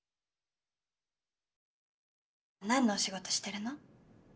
何のお仕事してるの？